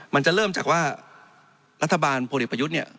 มันจะเริ่มจากว่ารัฐบาลพลเอกประโยชน์